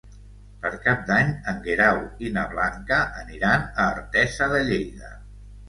Per Cap d'Any en Guerau i na Blanca aniran a Artesa de Lleida.